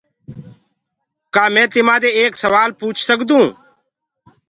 ڪآ مينٚ تمآ دي ايڪ سوآل پوڇ سڪدو هونٚ؟